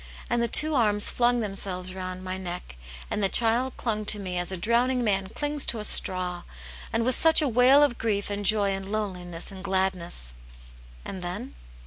And the two arms flung themselves round my neck, and the child clung to me as a drowning man clings to a straw, and with such a wail of grief and joy and loneliness and gladness." "And then?"